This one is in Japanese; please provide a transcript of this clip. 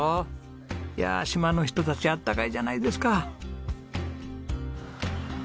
いやあ島の人たちあったかいじゃないですか。